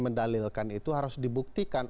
mendalilkan itu harus dibuktikan